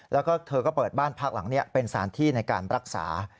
แล้วก็เธอก็เปิดบ้านพักหลังนี้เป็นสารที่ในการรักษา